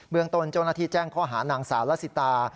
เบื้องตนโจรนาธิแจ้งข้อหานางสารสิตา